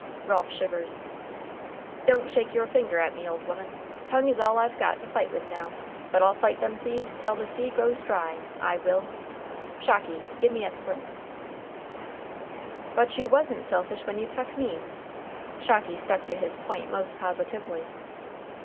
(Ralph shivered.) "Don't shake your finger at me, old woman. Tongue is all I've got to fight with now; but I'll fight them thieves tell the sea goes dry, I will. Shocky, gim me a splint." "But you wasn't selfish when you tuck me. Shocky stuck to his point most positively.